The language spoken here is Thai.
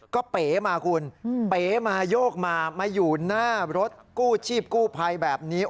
ก็เป๋มาคุณเป๋มาโยกมามาอยู่หน้ารถกู้ชีพกู้ภัยแบบนี้